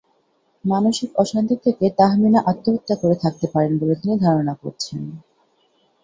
মানসিক অশান্তি থেকে তাহমিনা আত্মহত্যা করে থাকতে পারেন বলে তিনি ধারণা করছেন।